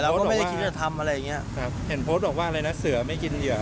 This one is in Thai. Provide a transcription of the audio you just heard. เสือไม่กินเหยื่ออะไรนะ